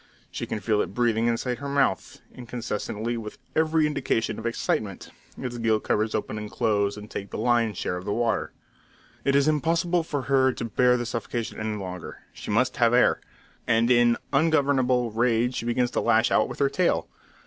She can feel it breathing inside her mouth; incessantly, with every indication of excitement, its gill covers open and close, and take the lion's share of the water. It is impossible for her to bear this suffocation any longer; she must have air; and in ungovernable rage she begins to lash out with her tail.